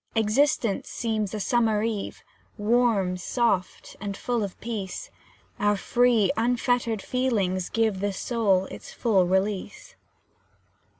Existence seems a summer eve, Warm, soft, and full of peace, Our free, unfettered feelings give The soul its full release.